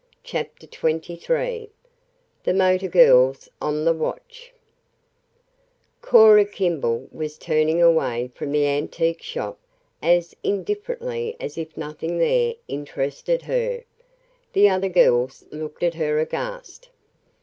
CHAPTER XXIII THE MOTOR GIRLS ON THE WATCH Cora Kimball was turning away from the antique shop as indifferently as if nothing there interested her. The other girls looked at her aghast.